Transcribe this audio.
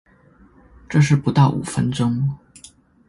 這是不到五分鐘